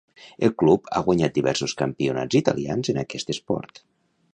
El club ha guanyat diversos campionats italians en aquest esport.